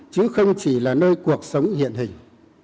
chứ không chỉ là nơi cuộc sống hiện hình